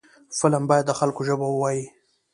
فلم باید د خلکو ژبه ووايي